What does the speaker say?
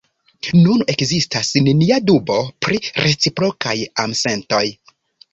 Nun ekzistas nenia dubo pri reciprokaj amsentoj.